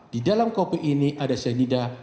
di dalam kopi ini ada cyanida